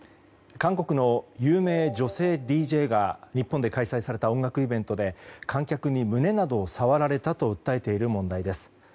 韓国の有名女性ＤＪが日本で開催された音楽イベントで観客に胸などを触られたと訴えている問題です。